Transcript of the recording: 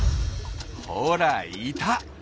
ほらいた！